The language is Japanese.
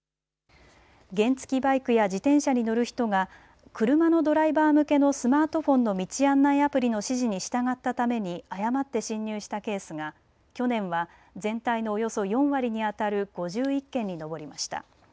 原付きバイクや自転車に乗る人が車のドライバー向けのスマートフォンの道案内アプリの指示に従ったために誤って進入したケースが去年は全体のおよそ４割にあたる５１件に上りました。